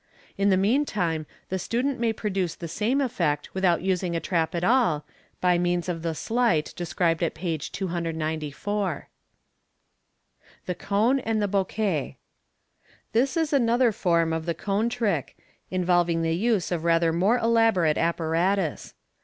In the meantime the student may produce the same effect without using a trap at all, by means of the sleight described at page 294. The Conb and Bouquet. — This is another form of the coa© MODERN MAGIC. 365 Fig. 197. trick, involving the use of rather more elaborate apparatus.